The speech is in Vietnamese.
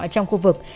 trong khu vực